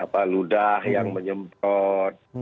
apa ludah yang menyemprot